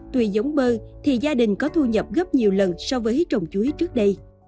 tùy giống bơ thì gia đình có thu nhập gấp nhiều lần so với trồng chuối trước đây